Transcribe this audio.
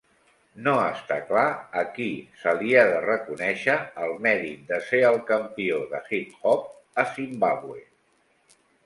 No està clar a qui se li ha de reconèixer el mèrit de ser el campió de hip-hop a Zimbàbue.